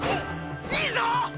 いいぞ！